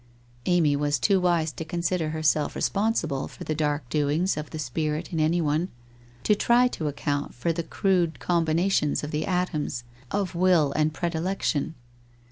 Amy was too wise to consider herself responsible for the dark doings of the spirit in anyone, to try to account for the crude combinations of the atoms of will and predilec tion.